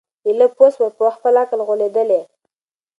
ایله پوه سو په خپل عقل غولیدلی